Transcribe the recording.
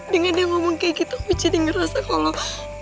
dengan dia ngomong kayak gitu aku jadi ngerasa kalau